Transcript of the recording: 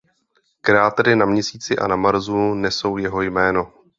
Krátery na Měsíci a na Marsu nesou jeho jméno.